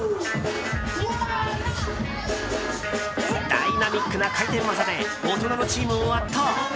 ダイナミックな回転技で大人のチームを圧倒！